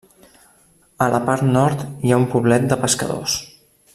A la part nord hi ha algun poblet de pescadors.